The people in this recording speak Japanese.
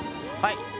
はい。